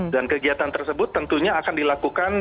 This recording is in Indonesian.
dan kegiatan tersebut tentunya akan dilakukan